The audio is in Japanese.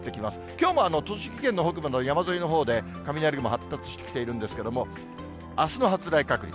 きょうも栃木県の北部の山沿いのほうで雷雲発達してきているんですけれども、あすの発雷確率。